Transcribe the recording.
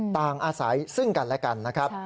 ต่างอาศัยซึ่งกันและกันนะครับ